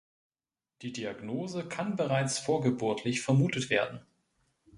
Die Diagnose kann bereits vorgeburtlich vermutet werden.